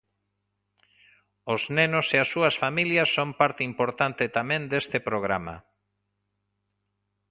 Os nenos e as súas familias son parte importante tamén deste programa.